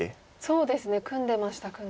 そうですね組んでました。